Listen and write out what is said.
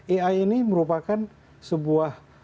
ai ini merupakan sebuah